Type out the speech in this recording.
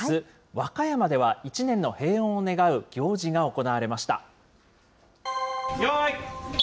和歌山では１年の平穏を願う行事が行われました。